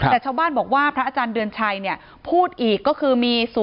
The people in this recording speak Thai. แต่ชาวบ้านบอกว่าพระอาจารย์เดือนชัยพูดอีกก็คือมี๐๘